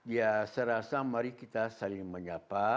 ya serasa mari kita saling menyapa